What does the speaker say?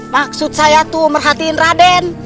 maksud saya tuh merhatiin raden